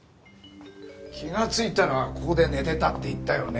気がついたらここで寝てたって言ったよね。